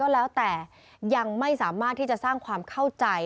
แล้วแต่ยังไม่สามารถที่จะสร้างความเข้าใจ